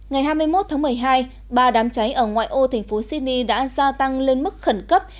ngày hai mươi một tháng một mươi hai ba đám cháy ở ngoại ô thành phố sydney đã gia tăng lên mức khẩn cấp